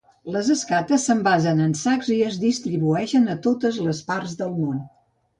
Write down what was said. Les escates s'envasen en sacs i es distribueixen a totes les parts del món.